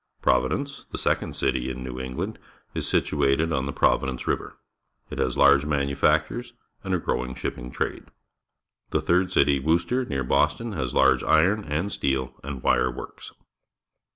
Providence, the second city in New England, is situated on the Providence River. It has large manufactures and a growing shipping trade. The third city, Worcester, near Boston, has large iron and steel and wire works.